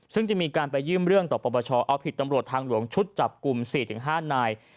ซึ่งจะมีการไปยื่นเรื่องต่อปปชเอาผิดตำรวจทางหลวงชุดจับกลุ่ม๔๕นาย